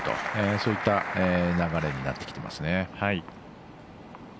そういった流れになってきていますね。